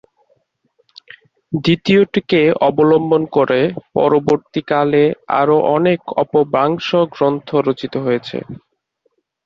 দ্বিতীয়টিকে অবলম্বন করে পরবর্তীকালে আরও অনেক অপভ্রংশ গ্রন্থ রচিত হয়েছে।